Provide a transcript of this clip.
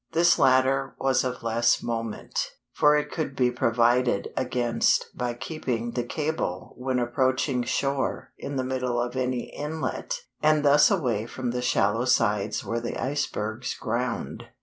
This latter was of less moment, for it could be provided against by keeping the cable when approaching shore in the middle of any inlet, and thus away from the shallow sides where the icebergs "ground."